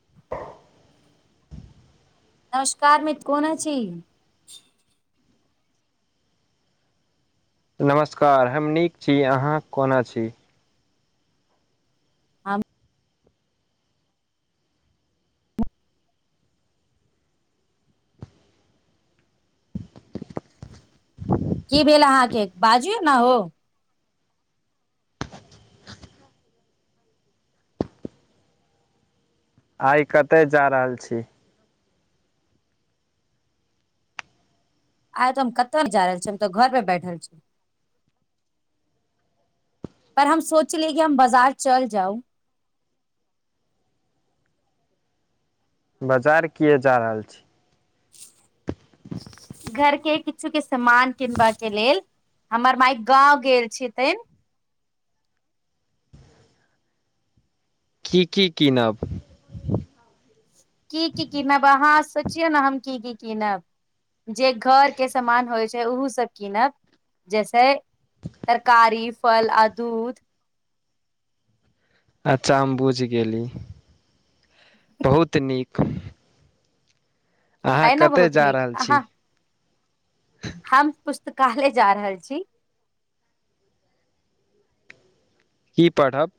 [inaudible] नमस्कार मित्र, कोना छी? नमस्कार, हम नीक छी। अहाँ कोना छी? हम की भेल अहाँकेँ? बाजिऔ ने हो। आइ कतय जा रहल छी? आइ तऽ हम कतहु नहि जा रहल छी। हम तऽ घरपर बैठल छी। पर हम सोचली कि हम बाजार चल जाउ। बाजार किएक जा रहल छी? घरके किछु-किछु सामान किनबाक लेल। हमर माय गाँव गेल छथिन। की-की कीनब? की-की कीनब? अहाँ सोचिऔ ने हम की-की कीनब। जे घरके सामान होइत छै, ओहूसभ कीनब, जैसे तरकारी, फल आ दूध। अच्छा हम बुझि गेली। बहुत नीक। अहाँ है ने कतय बहुत जा नीक रहल अहाँ छी? हम पुस्तकालय जा रहल छी। की पढ़ब?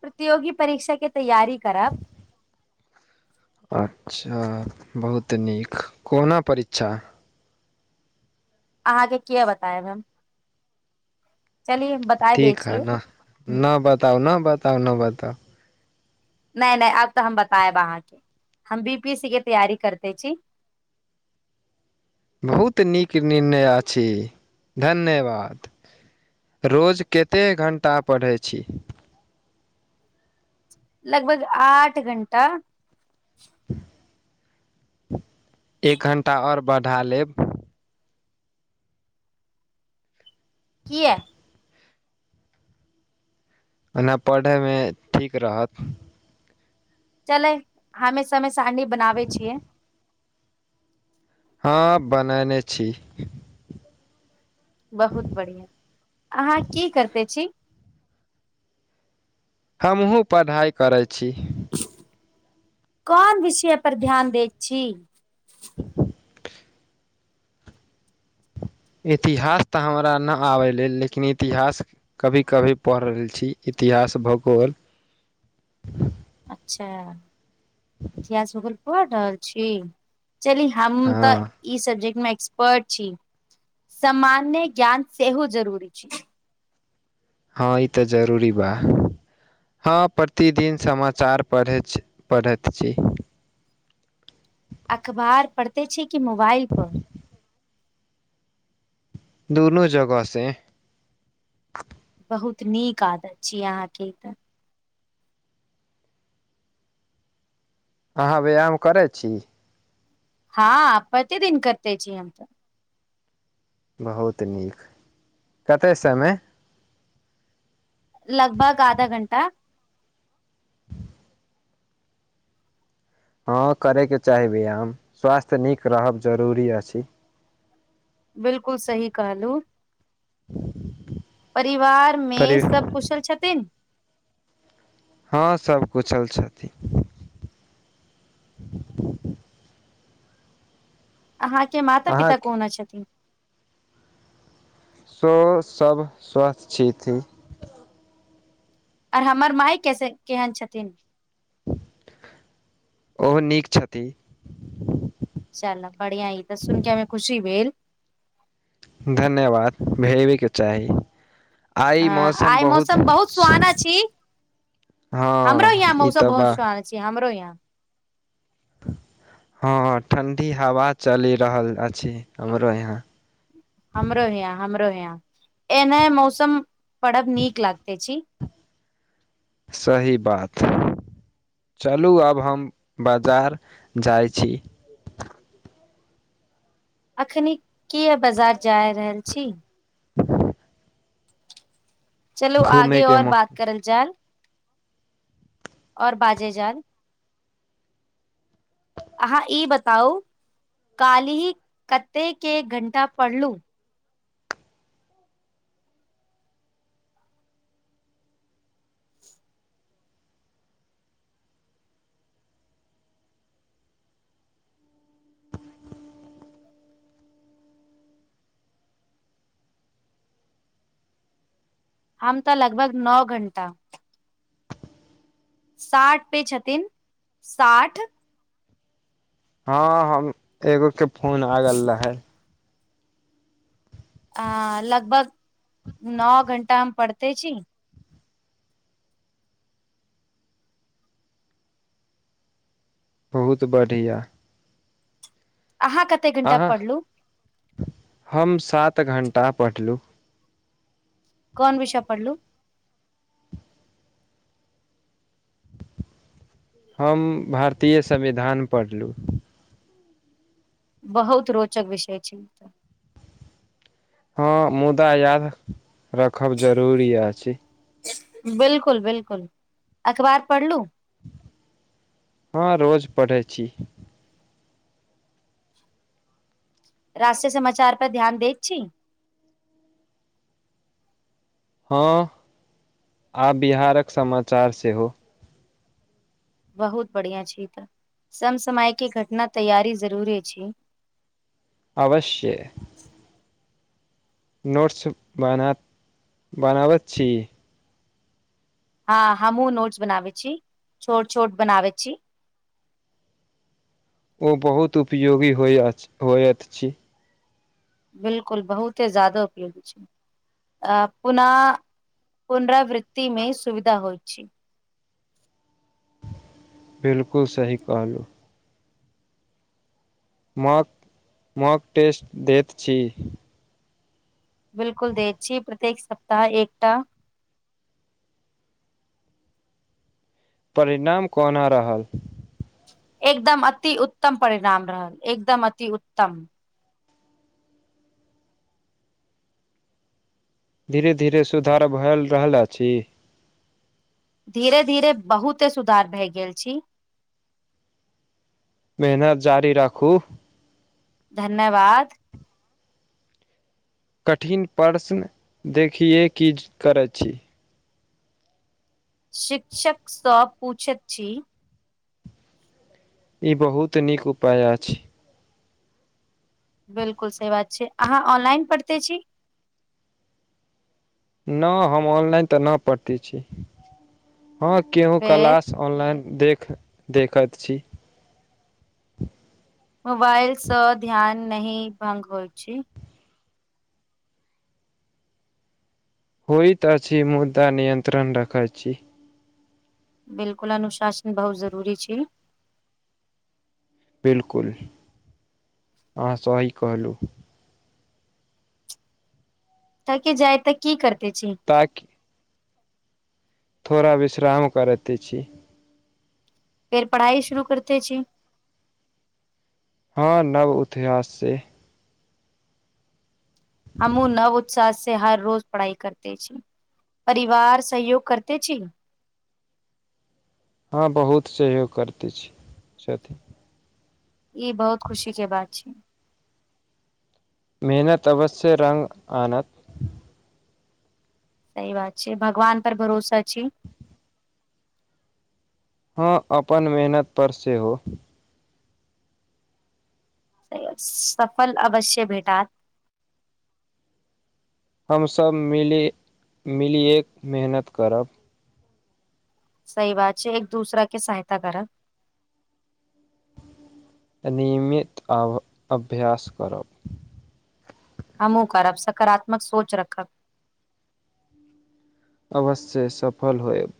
प्रतियोगी परीक्षाके तैयारी करब। अच्छा, बहुत नीक। कोना परीक्षा? अहाँकेँ किएक बतायब हम। चलिये बताय दै ठीक है छियै न, न बताउ न बताउ न बताउ। नहि नहि, आब तऽ हम बताएब अहाँकेँ। हम बी पी एस सी के तैयारी करते छी। बहुत नीक निर्णय अछि। धन्यवाद। रोज कतेक घण्टा पढ़ैत छी? लगभग आठ घण्टा। एक घण्टा आओर बढ़ा लेब। किया? ओना पढ़ैमे ठीक रहत। चले हमे समय सारनी बनाबै छियै। हँ बनने छी। बहुत बढ़िआं अहाँ की करते छी? हमहु पढ़ाइ करैत छी। कोन विषय पर ध्यान दैत छी? [inaudible] इतिहास तऽ हमरा नहि आबय लेल लेकिन इतिहास कभी -कभी पढ़ रहल छी, इतिहास, भूगोल। [inaudible] अच्छा! इतिहास पढ़ रहल छी। चलि हम तऽ हँ ई सब्जेक्ट मे एक्सपर्ट छी, सामान्य ज्ञान सेहो जरूरी छी। हँ ई तऽ जरूरी बा। हँ प्रतिदिन समाचार पढ़ैत छी। अखबार पढ़ते छी, कि मोबाइल पर? दुनू जगहसँ। बहुत नीक आदत छीयै अहाँके ई तऽ। अहाँ व्यायाम करै छी? हँ, प्रतिदिन करतै छीय हम त। बहुत नीक, कतय समय? लगभग आधा घंटा। हँ करैके चाही व्यायाम, स्वास्थ्य नीक रहब जरूरी अछि। बिलकुल सही कहू। परिवार मे परि सब कुशल छथिन? हँ सबकुशल छथिन। अहाँके माता- पिता अहाँ कोना छथिन? शो सभ स्वस्थ छीथी। आर हमर मााय कैसे केहन छथिन? ओहो नीक छथि। चल बढ़िया ई तऽ सुन के हमे खुशी भेल। धन्यवाद! भेजबेके चाही। ह आइ मौसम बहुत सुहाना छी। हमरो हँ यहाँ ई तऽ मौसम बा बहुत सुहाना छै, हमरो यहाँ। हँ ठंडी हवा चलि रहल अछि हमरो यहाँ। ह हमरो यहा, हमरो यहा, एना मौसम पड़ब नीक लागते छी। सही बात। चलू आब हम बजार जाइ छी। एखनी किया बाजार जा रहल छी? चलू आगे घूमेके और म बात करल जाल। और बाजे जाल। अहाँ ई बताउ कालहि कते के घंटा पढ़लु? हम तऽ लगभग नओ घण्टा। साठ पे छथिन साठ हँ हम एगो के फोन आगेल रहे अ लगभग नओ घंटा हम पढ़ते छी बहुत बढ़िया। अहाँ कत अहाँ हम सात घण्टा पढ़लहुँ कोन विषय पढ़लू? हम भारतीय संविधान पढ़लु। बहुत रोचक विषय छैय। हँ मुदा याद रखब जरूरी अछि। बिलकुल बिलकुल अखबार पढ़लू? हँ रोज पढ़ै छी। राष्ट्रीय समाचार पर ध्यान दै छी। हँ आ बिहारक समाचार सेहो बहुत बढ़िया छै तऽ समसमय के घटना तैयारी जरुरे छै। अवश्य नोट्स बना बनाबैत छी। हँ हमहुँ नोट्स बनाबे छी छोट छोट बनाबै छी। ओ बहुत उपयोगी होइ अछ होयत छी। बिलकुल बहुते जयादा उपयोगी छै। अ पुना पुनरावृ्तिमे सुविधा होइ छै। बिलकुल सही कहलहु। माॅक माॅक टेस्ट दैत छी। बिलकुल देत छी प्रत्येक सप्ताह एकटा। परिणाम कोना रहल एकदम अति उत्तम परिणाम रहल एकदम अति उत्तम। धीरे धीरे सुधार भएल रहल अछि। धीरे धीरे बहुते सुधार भए गेल छी।। मेहनत जारी राखू। धन्यवाद। कठिन प्रश्न देखियै की करैत छी। शिक्षक स पूछैत छी। ई बहुत नीक उपाय अछि। बिल्कुल सही बात छै अहाँ ऑनलाइन पढ़िते छी। न हम ऑनलाइन तऽ ना पढ़ते छी हं केहू फेर क्लास ऑनलाइन देख देखत छी। मोबाइलसँ ध्यान नहि भंग होइ छै। होइत अछि मुदा नियन्त्रण रखै छी। बिलकुल अनुशासन बहुत जरूरी छी। बिलकुल अहाॅं सही कहलू। थकि जाय तऽ की करते छी। ताकि थोड़ा विश्राम करैते छी। फेर पढ़ाई शुरू करते छी। हँ नव इतिहास से हमूँ नव उत्साह से, हर रोज पढ़ाई करते छी। परिवार सहयोग करते छी न। हँ, बहुत सहयोग करिते छी छथि। ई बहुत खुशी के बात छी। मेहनत अवश्ये रङ्ग आनत। सही बात छै, भगवान पर भरोसा छी। हँ, अपन मेहनत पर सेहो। सफल अवश्य भेटत। हमसभ मिली, मिलिए कऽ मेहनत करब। सही बात छै, एक-दूसरा के सहायता करऽ। नियमित अभ्यास करब। हमूँ करब, सकारात्मक सोच रखब। अवश्ये सफल होएब।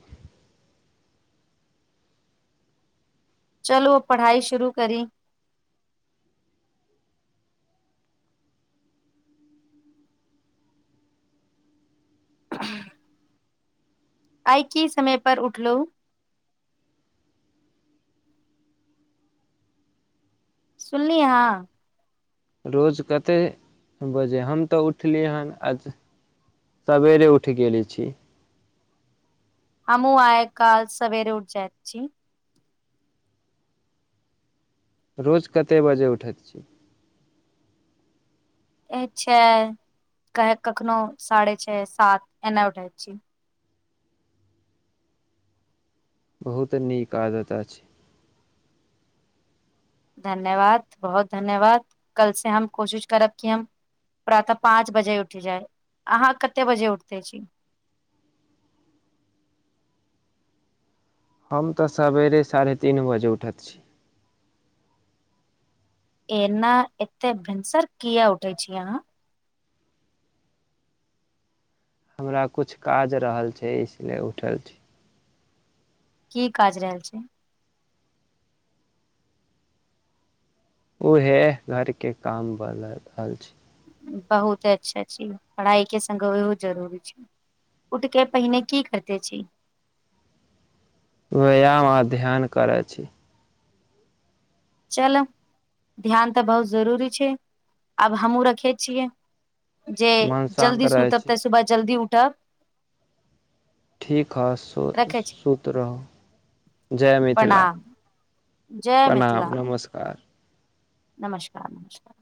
चलू ओ पढ़ाई शुरू करी। आइ की समय पर उठलहुँ। सुनलि अहाँ। रोज कतेए बजे, हम तऽ उठलिय हन आज। सबेरे उठि गेले छी। हँमु आइ-काल सवेर उठि जायत छी। रोज कत्ते बजे उठैत छी। छै, कखनो साढ़े छै, सात एने उठैत छी। बहुत नीक आदत अछि। धन्यवाद, बहुत धन्यवाद, कल से हम कोशिश करब की हम। प्रातः पाँच बजे उठ जाय, अहाँ कते बजे उठते छी। हम तऽ सबेरे साढ़े तीन बजे उठैत छी। एना, एते भिनसर किया उठे छी अहाँ। हमरा कुछ काज रहल छै, इसलिए उठल छी। की काज रहल छै। ओहे घर के काम बला रहल छी। बहुत अच्छा छी, पढ़ाई के संगे ओहो जरूरी छै। उठके पहिने की करिते छी। व्यायाम, अध्ययन करै छी। चलऽ ध्यान तऽ बहुत जरूरी छै, आब हमहूँ रखे छियै। जे मन शान्त जल्दी रहै सुतब छै तऽ सुबह जल्दी उठब। ठीक हइ सु, रखै छी सुत रहू जय मिथिला। प्रणाम जय मिथिला। आ। नमस्कार, नमस्कार।